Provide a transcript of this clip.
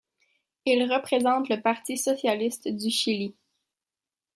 Il représente le Parti socialiste du Chili.